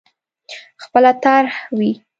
خپله طرح وي.